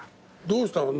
どうしたの？